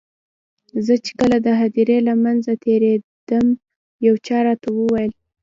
زه چې کله د هدیرې له منځه تېرېدم یو چا راته وویل.